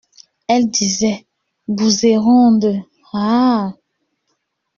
Elle disait :« Bousséronde ! ah !